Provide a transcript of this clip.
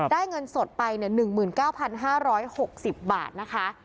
ได้เงินสดไปเนี่ย๑๙๕๖๐บาทนะคะ